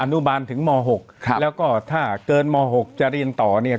นุบาลถึงม๖ครับแล้วก็ถ้าเกินม๖จะเรียนต่อเนี่ย